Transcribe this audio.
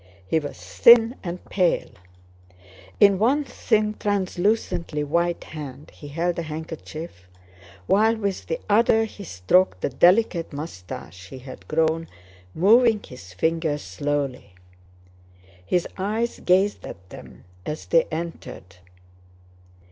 He was thin and pale. In one thin, translucently white hand he held a handkerchief, while with the other he stroked the delicate mustache he had grown, moving his fingers slowly. His eyes gazed at them as they entered.